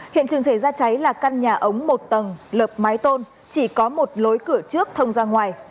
hiện trường xảy ra cháy là căn nhà ống một tầng lợp mái tôn chỉ có một lối cửa trước thông ra ngoài